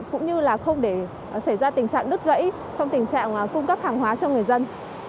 cũng như là không để xảy ra tình trạng đứt gãy trong tình trạng cung cấp hàng hóa cho người dân